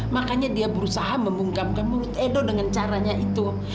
makanya dia berusaha mengungkapkan mulut edo dengan caranya itu